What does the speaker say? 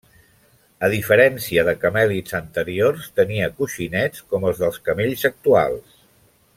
A diferència de camèlids anteriors, tenia coixinets com els dels camells actuals.